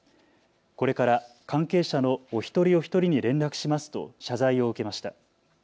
これから関係者のお一人お一人に連絡しますと謝罪を受けました。